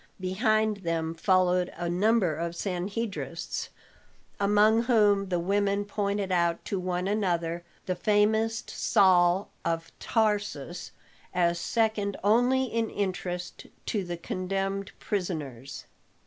Behind them followed a number of Sanhedrists, among whom the women pointed out to one another the famous Saul of Tarsus, as second only in interest to the condemned prisoners.